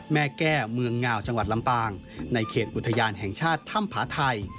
แม่แก้เมืองงาวจังหวัดลำปางในเขตอุทยานแห่งชาติถ้ำผาไทย